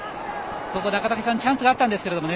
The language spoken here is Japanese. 中竹さん、チャンスがあったんですけどもね。